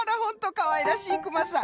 かわいらしいクマさん。